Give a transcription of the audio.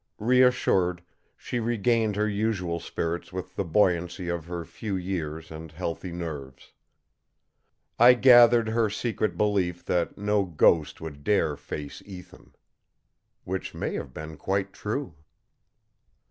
Reassured, she regained her usual spirits with the buoyancy of her few years and healthy nerves. I gathered her secret belief was that no "ghost" would dare face Ethan. Which may have been quite true!